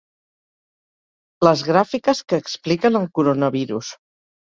Les gràfiques que expliquen el coronavirus.